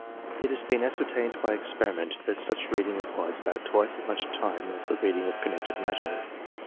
It has been ascertained by experiment that such reading requires about twice as much time as the reading of con nected matter.